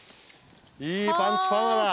いいパンチパーマだ。